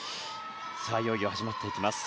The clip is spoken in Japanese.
さあ、いよいよ始まっていきます。